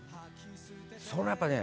それはやっぱね